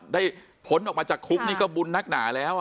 ผลออกมาจากคุกนี่ก็บุญนักหนาแล้ว